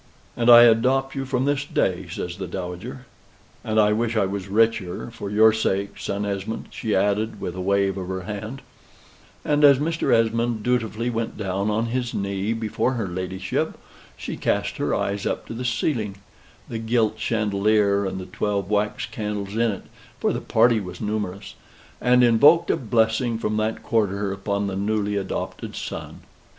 "And I adopt you from this day," says the Dowager, "and I wish I was richer, for your sake, son Esmond," she added with a wave of her hand; and as Mr. Esmond dutifully went down on his knee before her ladyship, she cast her eyes up to the ceiling, (the gilt chandelier, and the twelve wax candles in it, for the party was numerous,) and invoked a blessing from that quarter upon the newly adopted son.